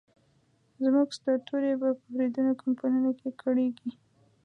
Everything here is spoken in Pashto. زموږ سرتوري به په پردیو کمپونو کې کړیږي.